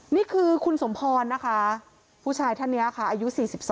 นี่คือคุณสมพรนะคะผู้ชายท่านนี้ค่ะอายุ๔๒